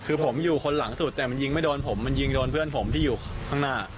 คือผมอยู่คนหลังสุดแต่มันยิงไม่โดนผมมันยิงโดนเพื่อนผมที่อยู่ข้างหน้า